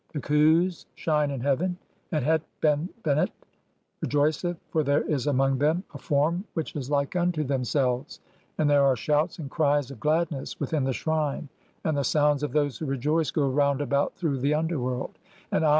The Khus shine in heaven and Het benbenet "(2) rejoiceth, for there is among them a form which is like "unto themselves ; and there are shouts and cries of gladness "within the shrine, and the sounds of those who rejoice go "round about through the underworld, (3) and homage [is paid] I.